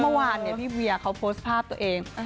เมื่อวานนี้พี่เวียเค้าโพสพากร์ตัวเอง